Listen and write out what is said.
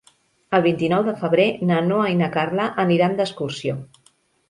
El vint-i-nou de febrer na Noa i na Carla aniran d'excursió.